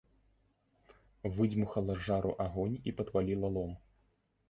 Выдзьмухала з жару агонь і падпаліла лом.